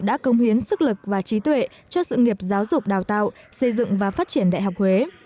đã công hiến sức lực và trí tuệ cho sự nghiệp giáo dục đào tạo xây dựng và phát triển đại học huế